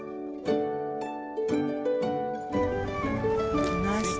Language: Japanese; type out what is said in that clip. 着きました。